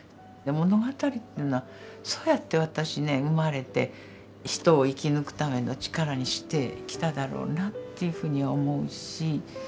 物語というのはそうやって私ね生まれて人を生き抜くための力にしてきただろうなというふうに思うし。